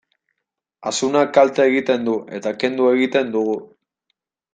Asunak kalte egiten du, eta kendu egiten dugu.